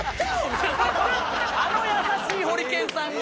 あの優しいホリケンさんが。